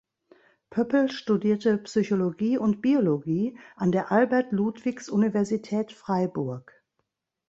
Pöppel studierte Psychologie und Biologie an der Albert-Ludwigs-Universität Freiburg.